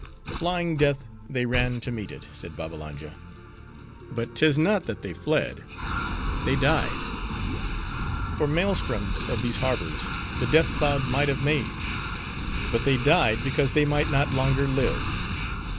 "Flying death, they ran to meet it," said Babbalanja. "But tie not that they fled, they died; for maelstroms, of these harbors, the Death cloud might have made. But they died, because they might not longer live.